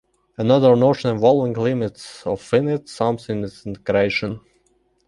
Another notion involving limits of finite sums is integration.